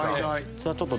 ちょっと。